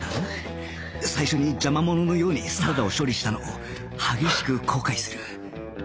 最初に邪魔者のようにサラダを処理したのを激しく後悔する